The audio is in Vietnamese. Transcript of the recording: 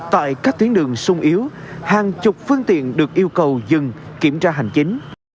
tại các tuyến đường sung yếu hàng chục phương tiện được yêu cầu dừng kiểm tra hành chính